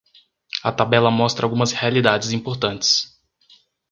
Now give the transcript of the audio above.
A tabela mostra algumas realidades importantes.